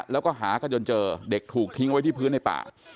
แล้วก็หากันจนเจอเด็กถูกทิ้งไว้ที่พื้นในป่า